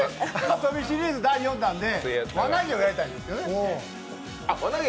遊びシリーズ第４弾で輪投げをやりたいですね。